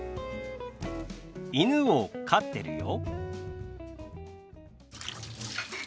「犬を飼ってるよ」。